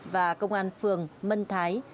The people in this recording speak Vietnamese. và công an phường mân thái